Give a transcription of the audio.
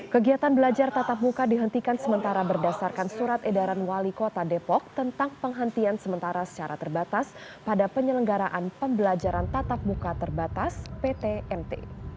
kegiatan belajar tatap muka dihentikan sementara berdasarkan surat edaran wali kota depok tentang penghentian sementara secara terbatas pada penyelenggaraan pembelajaran tatap muka terbatas ptmt